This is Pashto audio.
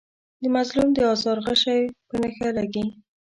د مظلوم د آزار غشی په نښه لګي.